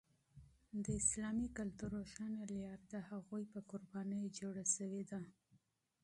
د اسلامي تمدن روښانه لاره د هغوی په قربانیو جوړه شوې ده.